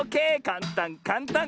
かんたんかんたん。